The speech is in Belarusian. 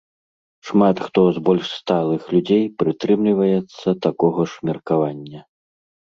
Шмат хто з больш сталых людзей прытрымліваецца такога ж меркавання.